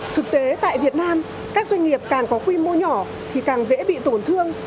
thực tế tại việt nam các doanh nghiệp càng có quy mô nhỏ thì càng dễ bị tổn thương